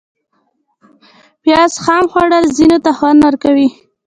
پیاز خام خوړل ځینو ته خوند ورکوي